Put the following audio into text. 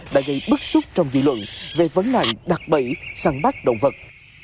đã gây bức xúc trong dị luận về vấn này đặt bẫy săn bắt động vật